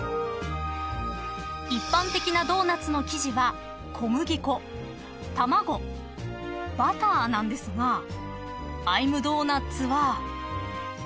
［一般的なドーナツの生地は小麦粉卵バターなんですがＩ’ｍｄｏｎｕｔ？は］